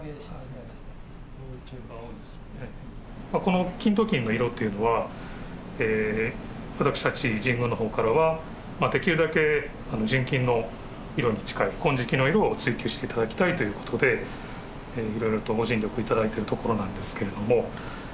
この金鍍金の色っていうのは私たち神宮の方からはできるだけ純金の色に近い金色の色を追求して頂きたいということでいろいろとご尽力頂いているところなんですけれども。